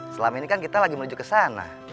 selama ini kan kita lagi menuju ke sana